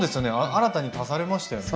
新たに足されましたよね。